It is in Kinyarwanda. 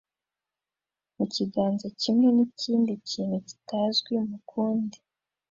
mukiganza kimwe nikindi kintu kitazwi mukundi